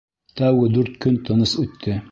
Тәүге дүрт көн тыныс үтте.